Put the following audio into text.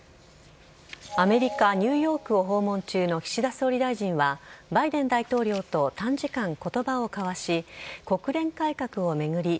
アメリカ・ニューヨークを訪問中の岸田総理大臣はバイデン大統領と短時間、言葉を交わし国連改革を巡り